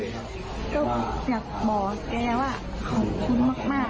ก็อยากบอกแกว่าขอบคุณมาก